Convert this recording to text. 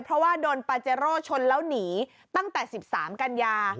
เพราะว่าโดนปาเจโร่ชนแล้วหนีตั้งแต่๑๓กันยา